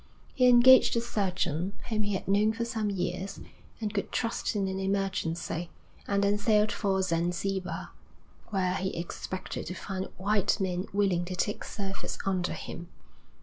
He engaged a surgeon, whom he had known for some years, and could trust in an emergency, and then sailed for Zanzibar, where he expected to find white men willing to take service under him.